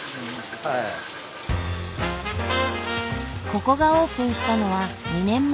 ここがオープンしたのは２年前。